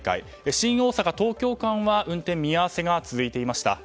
新大阪東京間は運転見合わせが続いていました。